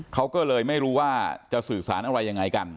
เขาก็เลยไม่รู้ว่าจะสื่อสารอะไรยังไงกัน